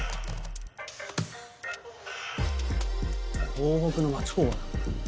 港北の町工場だ。